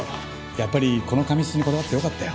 やっぱりこの紙質にこだわってよかったよ